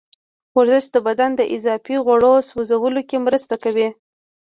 ورزش د بدن د اضافي غوړو سوځولو کې مرسته کوي.